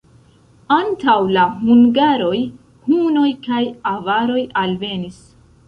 Antaŭ la hungaroj hunoj kaj avaroj alvenis.